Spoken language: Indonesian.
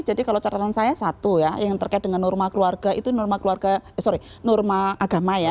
jadi kalau catatan saya satu ya yang terkait dengan norma keluarga itu norma keluarga sorry norma agama ya